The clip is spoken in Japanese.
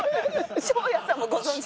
昇也さんもご存じ。